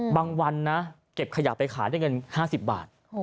บางวันเก็บขยะไปขายได้เงิน๕๐บาท